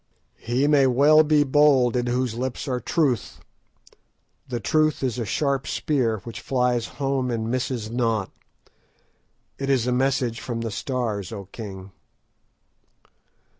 "He may well be bold in whose lips are truth. The truth is a sharp spear which flies home and misses not. It is a message from 'the Stars,' O king."